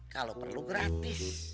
kalau perlu gratis